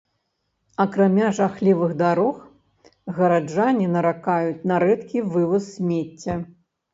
Акрамя жахлівых дарог гараджане наракаюць на рэдкі вываз смецця.